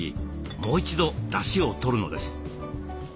もう一度だしをとるのです。